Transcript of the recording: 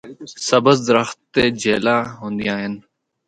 سبز درخت تے جھیلاں ہوندیاں ہن۔